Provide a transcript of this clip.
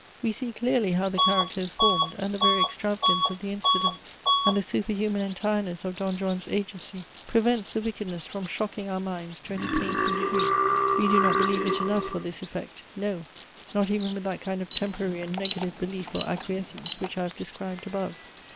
We see clearly how the character is formed; and the very extravagance of the incidents, and the super human entireness of Don Juan's agency, prevents the wickedness from shocking our minds to any painful degree. We do not believe it enough for this effect; no, not even with that kind of temporary and negative belief or acquiescence which I have described above.